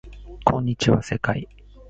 こんにちは世界